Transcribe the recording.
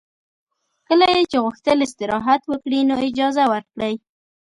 کله یې چې غوښتل استراحت وکړي نو اجازه ورکړئ